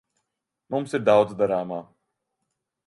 Mums ir daudz darāmā.